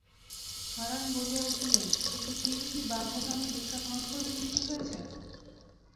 হারান বলিয়া উঠিলেন, কিন্তু তিনি কি ব্রাহ্মধর্মে দীক্ষা গ্রহণ করবেন স্থির হয়েছে?